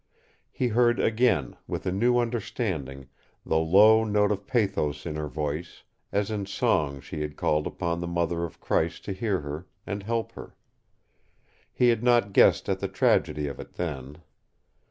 He heard again, with a new understanding, the low note of pathos in her voice as in song she had called upon the Mother of Christ to hear her and help her. He had not guessed at the tragedy of it then.